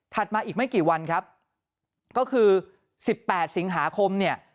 มาอีกไม่กี่วันครับก็คือ๑๘สิงหาคมเนี่ย